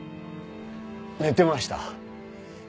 寝てました。